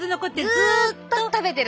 ずっと食べてるの。